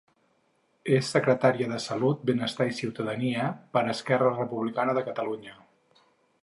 És secretària de salut, benestar i ciutadania per Esquerra Republicana de Catalunya.